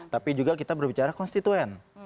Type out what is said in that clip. tapi juga kita berbicara konstituen